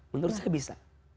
menurut saya bisa